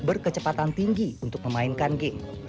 berkecepatan tinggi untuk memainkan game